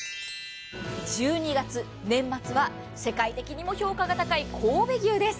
１２月年末は世界的にも評価が高い神戸牛です。